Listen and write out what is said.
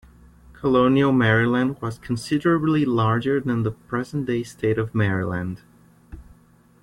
Colonial Maryland was considerably larger than the present-day state of Maryland.